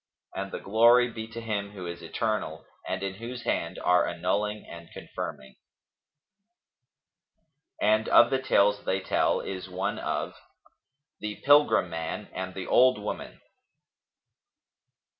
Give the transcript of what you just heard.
And the glory be to Him who is eternal and in whose hand are annulling and confirming. And of the tales they tell is one of THE PILGRIM MAN AND THE OLD WOMAN.